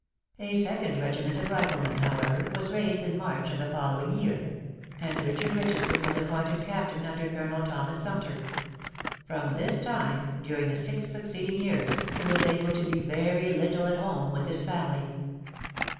A second regiment of riflemen, however, was raised in March of the following year; and Richard Richardson was appointed captain under Colonel Thomas Sumter. From this time, during the six succeeding years, he was able to be very little at home with his family.